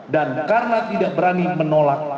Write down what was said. dan karena tidak berani menolak